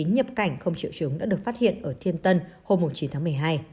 nhập cảnh không triệu chứng đã được phát hiện ở thiên tân hôm chín tháng một mươi hai